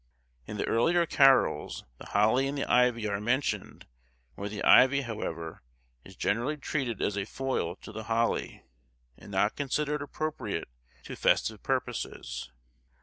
In the earlier carols the holly and the ivy are mentioned, where the ivy, however, is generally treated as a foil to the holly, and not considered appropriate to festive purposes.